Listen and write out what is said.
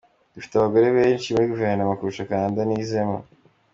Yagize ati “Dufite abagore benshi muri Guverinoma kurusha Canada nizemo.